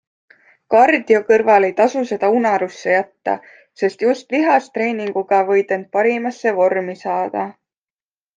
Kardio kõrval ei tasu seda unarusse jätta, sest just lihastreeninguga võid end parimasse vormi saada.